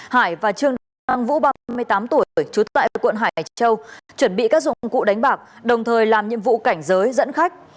hải và trương đình khang vũ ba mươi tám tuổi trú tại quận hải châu chuẩn bị các dụng cụ đánh bạc đồng thời làm nhiệm vụ cảnh giới dẫn khách